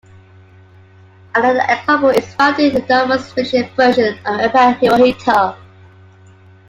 Another example is found in the novel's fictional version of Emperor Hirohito.